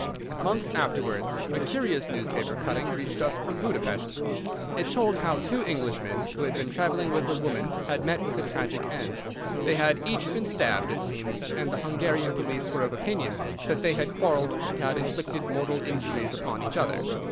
Months afterwards a curious newspaper cutting reached us from Buda Pesth. It told how two Englishmen who had been traveling with a woman had met with a tragic end. They had each been stabbed, it seems, and the Hungarian police were of opinion that they had quarreled and had inflicted mortal injuries upon each other.